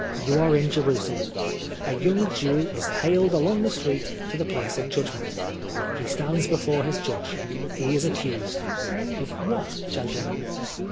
You are in Jerusalem. A young Jew is haled along the street to the place of judgment. He stands before his judge; he is accused — of what, gentlemen?